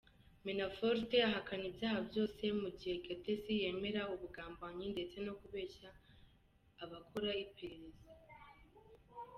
Manafort ahakana ibyaha byose mu gihe Gates yemera ubugambanyi ndetse no kubeshya abakora iperereza.